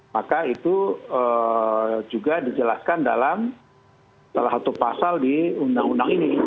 maka itu juga dijelaskan dalam salah satu pasal di undang undang ini